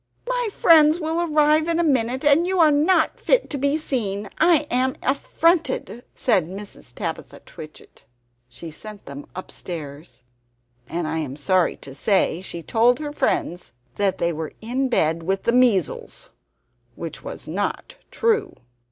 "My friends will arrive in a minute, and you are not fit to be seen; I am affronted," said Mrs. Tabitha Twitchit. She sent them upstairs; and I am sorry to say she told her friends that they were in bed with the measles which was not true.